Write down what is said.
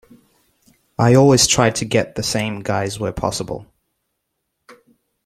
I always tried to get the same guys where possible.